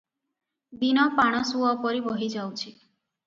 ଦିନ ପାଣସୁଅ ପରି ବହି ଯାଉଛି ।